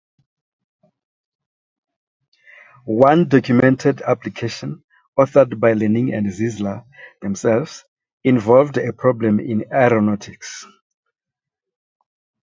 One documented application, authored by Laning and Zierler themselves, involved a problem in aeronautics.